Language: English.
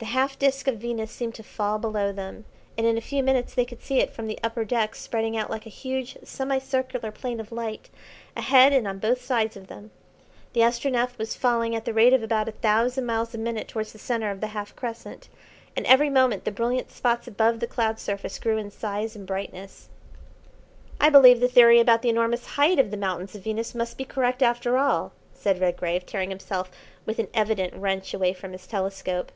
The half disc of Venus seemed to fall below them, and in a few minutes they could see it from the upper deck spreading out like a huge semi circular plain of light ahead and on both sides of them. The Astronef was falling at the rate of about a thousand miles a minute towards the centre of the half crescent, and every moment the brilliant spots above the cloud surface grew in size and brightness. "I believe the theory about the enormous height of the mountains of Venus must be correct after all," said Redgrave, tearing himself with an evident wrench away from his telescope.